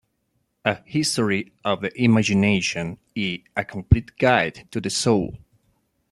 A History of the Imagination" y "A Complete Guide to the Soul".